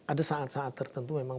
ada saat saat tertentu memang